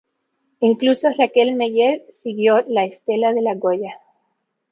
Incluso Raquel Meller siguió la estela de La Goya.